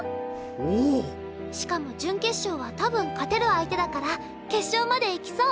おおっ⁉しかも準決勝は多分勝てる相手だから決勝まで行きそう。